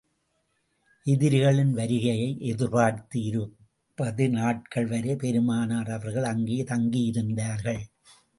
எதிரிகளின் வருகையை எதிர்பார்த்து, இருபது நாட்கள் வரை பெருமானார் அவர்கள் அங்கே தங்கியிருந்தார்கள்.